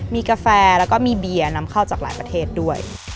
มีกาแฟแล้วก็มีเบียร์นำเข้าจากหลายประเทศด้วย